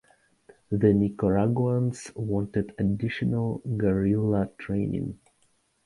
The Nicaraguans wanted additional guerrilla training.